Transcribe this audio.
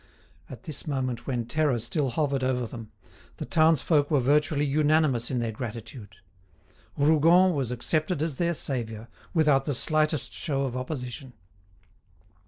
At this moment when terror still hovered over them, the townsfolk were virtually unanimous in their gratitude. Rougon was accepted as their saviour without the slightest show of opposition.